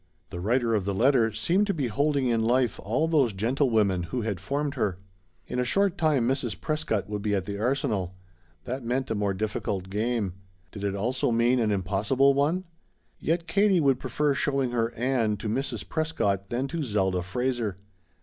The writer of the letter seemed to be holding in life all those gentlewomen who had formed her. In a short time Mrs. Prescott would be at the Arsenal. That meant a more difficult game. Did it also mean an impossible one? Yet Katie would prefer showing her Ann to Mrs. Prescott than to Zelda Fraser.